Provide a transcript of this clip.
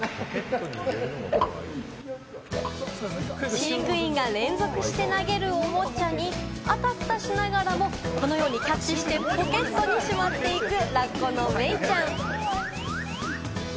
飼育員が連続して投げるオモチャにあたふたしながらも、このようにキャッチしてポケットにしまっていくラッコのメイちゃん。